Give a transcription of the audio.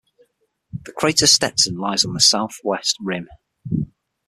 The crater Stetson lies on the southwest rim.